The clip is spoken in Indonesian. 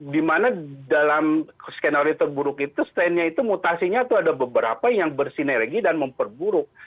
di mana dalam skenario terburuk itu strain nya itu mutasinya itu ada beberapa yang bersinergi dan memperburuk